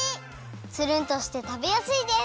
つるんとしてたべやすいです！